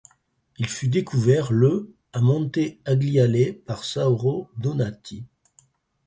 Il fut découvert le à Monte Agliale par Sauro Donati.